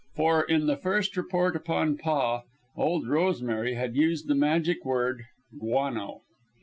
For in the first report upon Paa, "Old Rosemary" had used the magic word "guano."